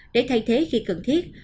để thay thế khi cần thiết